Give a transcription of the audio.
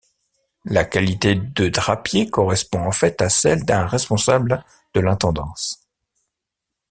La qualité de drapier, correspond en fait à celle d'un responsable de l'intendance.